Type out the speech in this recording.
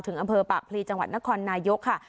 อำเภอปากพลีจังหวัดนครนายกค่ะ